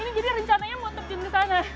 ini jadi rencananya mau tepin ke sana